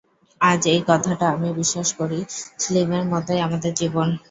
আজ এই কথাটা আমি বিশ্বাস করি, ফিল্মের মতই আমাদের জীবন।